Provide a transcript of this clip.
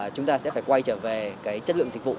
chúng ta sẽ phải quay trở về cái chất lượng dịch vụ